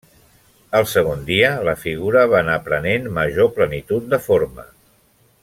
Al segon dia la figura va anar prenent major plenitud de forma.